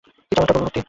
কী চমৎকার প্রভু ভক্তি!